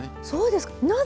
そうですか。